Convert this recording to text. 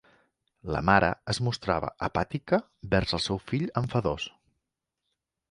La mare es mostrava apàtica vers el seu fill enfadós.